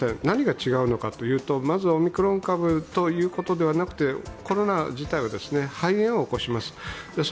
何が違うのかというとまずオミクロン株ということでなくてコロナ自体は肺炎を起こします。